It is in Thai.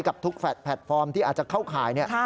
กับทุกแพลตฟอร์มที่อาจจะเข้าข่าย